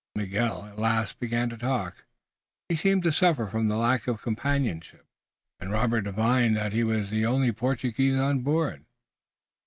Miguel at last began to talk. He seemed to suffer from the lack of companionship, and Robert divined that he was the only Portuguese on board.